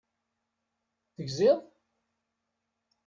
Tegziḍ?